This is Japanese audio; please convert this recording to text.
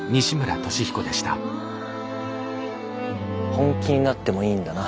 本気になってもいいんだな？